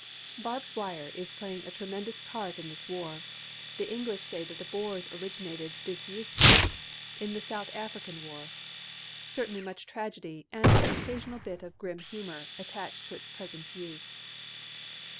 Barbed wire is playing a tremendous part in this war. The English say that the Boers originated this use for it in the South African War. Certainly much tragedy and an occasional bit of grim humour attach to its present use.